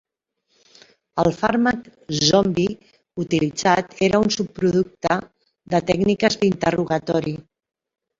El "fàrmac zombi" utilitzat era un subproducte de tècniques d'interrogatori.